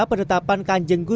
pendetapan kanjeng guna